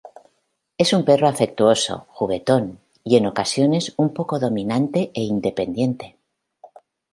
Es un perro afectuoso, juguetón, y en ocasiones, un poco dominante e independiente.